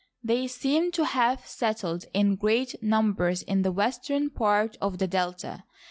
They seemed to have settled in great numbers in the western part of the Delta.